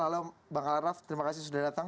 halo bang araf terima kasih sudah datang